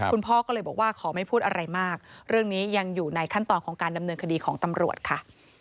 คุณพ่อก็เลยบอกว่าขอไม่พูดอะไรมากเรื่องนี้ยังอยู่ในขั้นตอนของการดำเนินคดีของตำรวจค่ะ